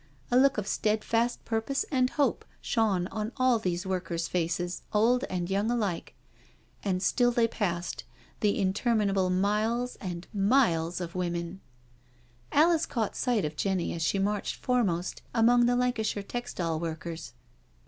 A look of steadfast purpose and hope shone on all these workers' faces, old and young alike^ And still they passed — ^the inter minable miles and miles of women. Alice caught sight of Jenny as she marched foremost among the Lancashire textile workers.